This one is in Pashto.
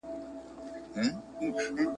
چي پانوس به په رنګین وو هغه شمع دریادیږي؟ !.